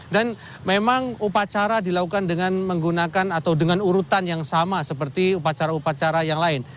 dan memang upacara dilakukan dengan menggunakan atau dengan urutan yang sama seperti upacara upacara yang lain